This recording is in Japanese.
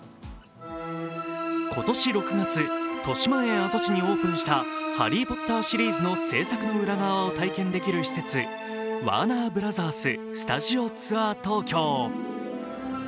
今年６月、としまえん跡地にオープンした「ハリー・ポッター」シリーズの制作の裏側を体験できる施設、ワーナーブラザーススタジオツアー東京。